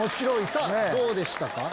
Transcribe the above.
さぁどうでしたか？